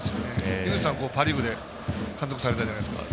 井口さん、パ・リーグで監督されたじゃないですか。